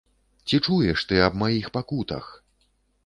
Ці чуеш ты аб маіх пакутах?